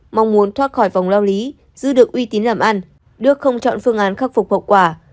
mong muốn thoát khỏi vòng lao lý giữ được uy tín làm ăn đức không chọn phương án khắc phục hậu quả